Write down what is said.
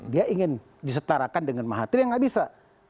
dia ingin disetarakan dengan mahathir yang gak bisa